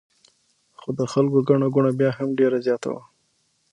خو د خلکو ګڼه ګوڼه بیا هم ډېره زیاته وه.